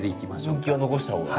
分岐は残した方が？